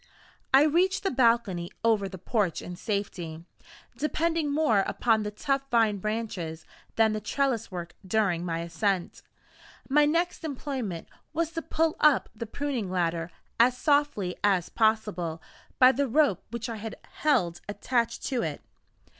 I reached the balcony over the porch in safety, depending more upon the tough vine branches than the trellis work during my ascent. My next employment was to pull up the pruning ladder, as softly as possible, by the rope which I held attached to it.